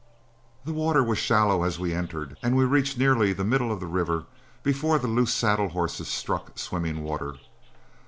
The water was shallow as we entered, and we reached nearly the middle of the river before the loose saddle horses struck swimming water.